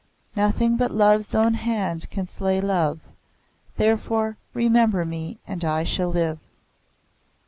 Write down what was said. "Nothing but Love's own hand can slay Love. Therefore, remember me, and I shall live."